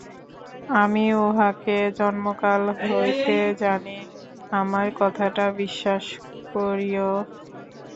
আমি উহাকে জন্মকাল হইতে জানি, আমার কথাটা বিশ্বাস করিয়ো।